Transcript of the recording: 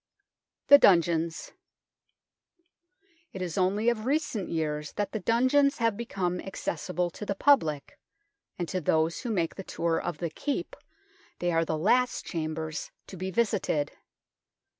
THE DUNGEONS It is only of recent years that the dungeons have become accessible to the public, and to those who make the tour of the Keep they are the last chambers to be visited.